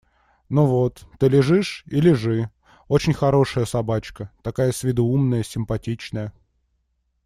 – Ну вот! Ты лежишь? И лежи… Очень хорошая собачка… такая с виду умная, симпатичная.